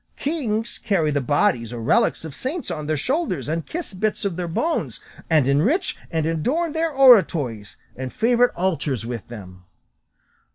Kings carry the bodies or relics of saints on their shoulders, and kiss bits of their bones, and enrich and adorn their oratories and favourite altars with them."